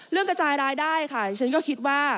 เรื่องกระจายรายได้ค่ะดิฉันก็คิดว่า